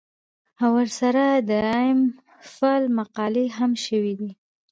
او ورسره د ايم فل مقالې هم شوې دي